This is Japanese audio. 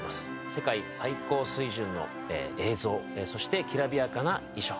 世界最高水準の映像そしてきらびやかな衣装